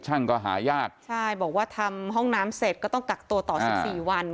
ก็หายากใช่บอกว่าทำห้องน้ำเสร็จก็ต้องกักตัวต่อสิบสี่วัน